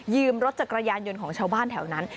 รถจักรยานยนต์ของชาวบ้านแถวนั้น